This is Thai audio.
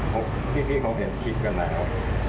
พวกพี่คงเห็นคิดกันแล้ว